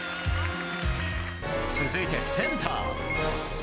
続いてセンター。